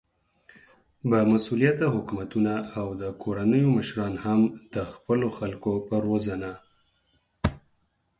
با مسؤليته حکومتونه او د کورنيو مشران هم د خپلو خلکو په روزنه